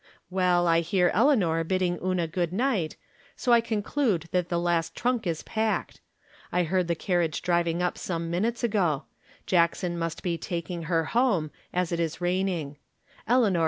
Well, I hear Eleanor bidding Una good night, so I conclude that the last trunk is packed. I heard the carriage driving up some minutes ago; Jackson must be taking her home, as it is rain ing.